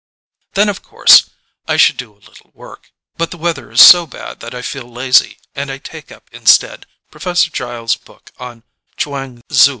Then of course I should do a little work, but the weather is so bad that I feel lazy, and I take up instead Professor Giles' book on Chuang Tzu.